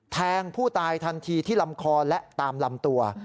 แทงผู้ตายทันทีที่ลำคอและตามลำตัว